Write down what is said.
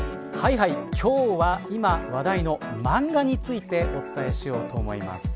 今日は今、話題のマンガについてお伝えしようと思います。